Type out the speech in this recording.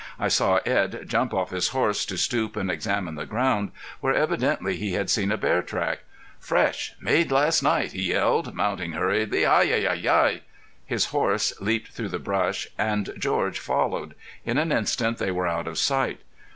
I saw Edd jump off his horse to stoop and examine the ground, where evidently he had seen a bear track. "Fresh made last night!" he yelled, mounting hurriedly. "Hi! Hi! Hi!" His horse leaped through the brush, and George followed. In an instant they were out of sight.